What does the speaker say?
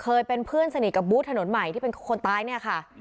เคยเป็นเพื่อนสนิทกับบูธถนนใหม่ที่เป็นคนตายเนี่ยค่ะ